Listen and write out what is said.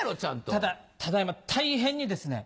ただただ今大変にですね